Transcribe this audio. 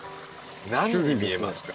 何に見えますか？